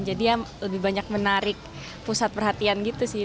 ya lebih banyak menarik pusat perhatian gitu sih